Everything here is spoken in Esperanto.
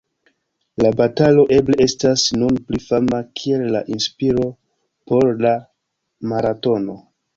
La batalo eble estas nun pli fama kiel la inspiro por la maratono.